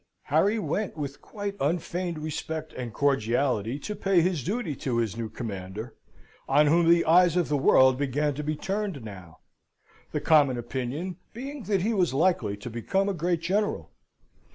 Harry went with quite unfeigned respect and cordiality to pay his duty to his new commander, on whom the eyes of the world began to be turned now, the common opinion being that he was likely to become a great general.